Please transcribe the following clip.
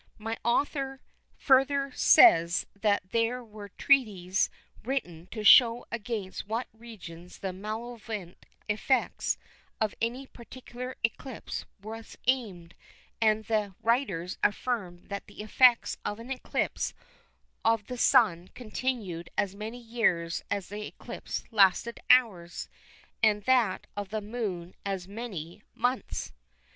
My author further says that there were treatises written to show against what regions the malevolent effects of any particular eclipse was aimed, and the writers affirmed that the effects of an eclipse of the Sun continued as many years as the eclipse lasted hours, and that of the Moon as many months."